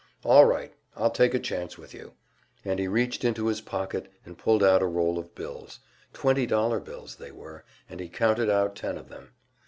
"All right, I'll take a chance with you." And he reached into his pocket and pulled out a roll of bills twenty dollar bills they were, and he counted out ten of them.